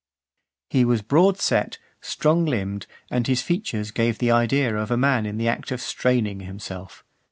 XX. He was broad set, strong limbed, and his features gave the idea of a man in the act of straining himself.